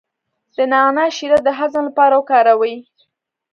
د نعناع شیره د هضم لپاره وکاروئ